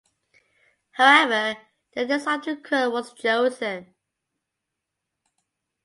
However the design of the curl was chosen.